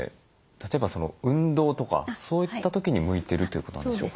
例えば運動とかそういった時に向いてるということなんでしょうか？